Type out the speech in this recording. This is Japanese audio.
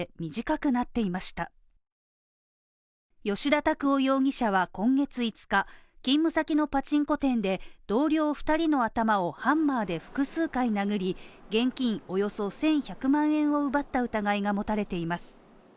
葭田拓央容疑者は今月５日、勤務先のパチンコ店で同僚２人の頭をハンマーで複数回殴り、現金およそ１１００万円を奪った疑いが持たれています。